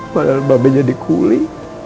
padahal mbak be jadi kuli